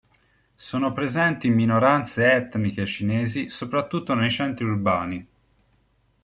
Sono presenti minoranze etniche cinesi soprattutto nei centri urbani.